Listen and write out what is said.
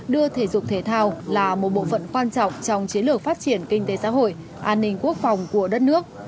đưa thể dục thể thao là một bộ phận quan trọng trong chiến lược phát triển kinh tế xã hội an ninh quốc phòng của đất nước